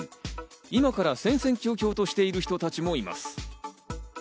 今から戦々恐々としている人たちもいます。